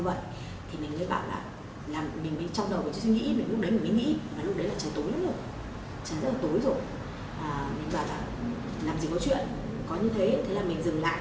có như thế thế là mình dừng lại